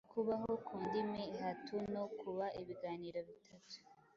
Kubaho ku ndimi ehatu no kuba ibiganiro bitatu